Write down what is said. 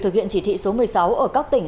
thực hiện chỉ thị số một mươi sáu ở các tỉnh